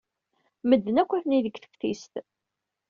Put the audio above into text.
Medden akk atni deg teftist.